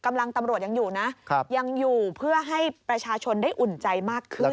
ตำรวจยังอยู่นะยังอยู่เพื่อให้ประชาชนได้อุ่นใจมากขึ้น